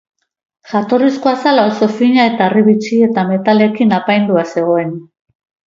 Jatorrizko azala oso fina eta harribitxi eta metalekin apaindua zegoen.